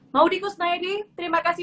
maudie kusnayadi terima kasih